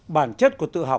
bản chất của tự học là tự học